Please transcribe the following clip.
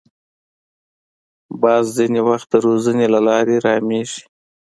باز ځینې وخت د روزنې له لارې رامېږي